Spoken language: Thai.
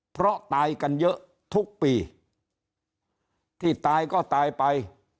เพราะตายกันเยอะทุกปีที่ตายก็ตายไป